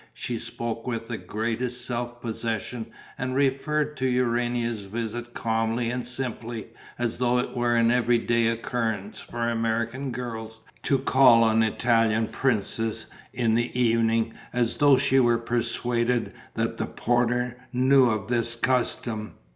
She spoke with the greatest self possession and referred to Urania's visit calmly and simply, as though it were an every day occurrence for American girls to call on Italian princes in the evening and as though she were persuaded that the porter knew of this custom.